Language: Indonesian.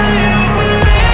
aku mau ngeliatin apaan